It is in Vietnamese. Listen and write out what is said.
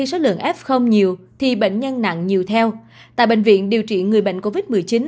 số lượng f nhiều thì bệnh nhân nặng nhiều theo tại bệnh viện điều trị người bệnh covid một mươi chín